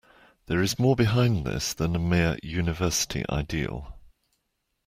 There is more behind this than a mere university ideal.